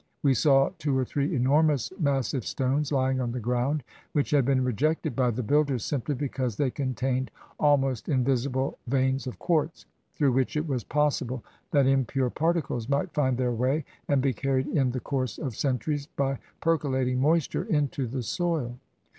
We saw two or three enormous massive stones lying on the ground, which had been rejected by the 237 INDIA builders simply because they contained almost invisible veins of quartz, through which it was possible that im pure particles might find their way, and be carried, in the course of centuries, by percolating moisture, into the soil.